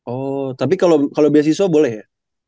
oh tapi kalau beasiswa boleh ya